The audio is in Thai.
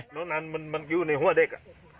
แล้วมันอยู่ในหัวเด็ก